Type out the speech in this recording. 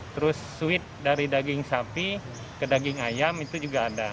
terus suit dari daging sapi ke daging ayam itu juga ada